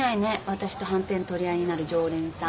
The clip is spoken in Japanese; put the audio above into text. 私とはんぺん取り合いになる常連さん。